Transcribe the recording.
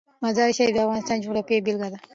مزارشریف د افغانستان د جغرافیې بېلګه ده.